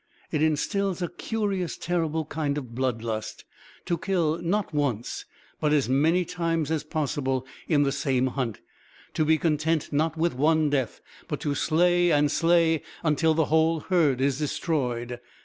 It instils a curious, terrible kind of blood lust to kill, not once, but as many times as possible in the same hunt; to be content not with one death, but to slay and slay until the whole herd is destroyed.